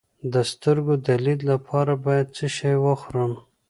د سترګو د لید لپاره باید څه شی وخورم؟